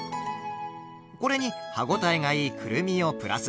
これに歯応えがいいくるみをプラス。